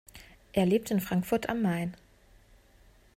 Er lebt in Frankfurt am Main.